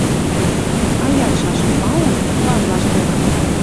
А ядшаш: малын? Важ лаштыра